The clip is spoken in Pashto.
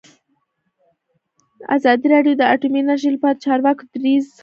ازادي راډیو د اټومي انرژي لپاره د چارواکو دریځ خپور کړی.